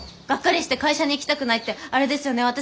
「ガッカリして会社に行きたくない」ってあれですよね